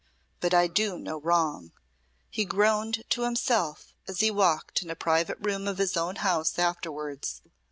"But I do no wrong," he groaned to himself as he walked in a private room of his own house afterwards.